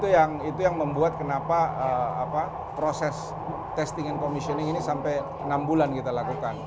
dan itu yang membuat kenapa proses testing and commissioning ini sampai enam bulan kita lakukan